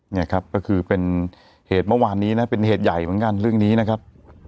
นี่ครับก็คือเป็นเหตุเมื่อวานนี้นะเป็นเหตุใหญ่เหมือนกันเรื่องนี้นะครับ